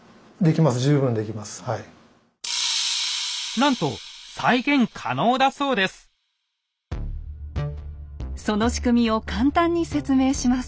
なんとその仕組みを簡単に説明します。